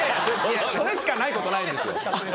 それしかないことないですよ